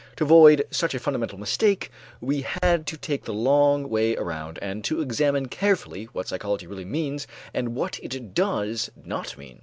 To avoid such a fundamental mistake, we had to take the long way around and to examine carefully what psychology really means and what it does not mean.